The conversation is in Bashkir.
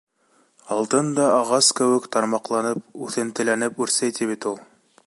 Алтын да ағас кеүек тармаҡланып, үҫентеләнеп үрсей, ти, бит ул...